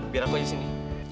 biar aku aja sini